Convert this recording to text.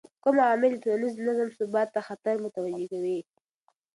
کوم عوامل د ټولنیز نظم ثبات ته خطر متوجه کوي؟